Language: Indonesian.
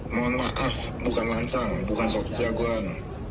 mohon maaf bukan lancang bukan suatu jagoan